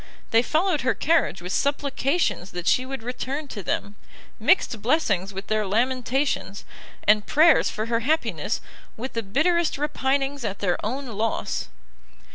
They followed her carriage with supplications that she would return to them, mixing blessings with their lamentations, and prayers for her happiness with the bitterest repinings at their own loss!